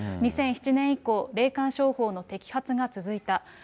２００７年以降、霊感商法の摘発が続いた。